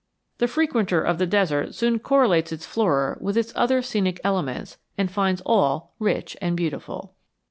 The frequenter of the desert soon correlates its flora with its other scenic elements and finds all rich and beautiful.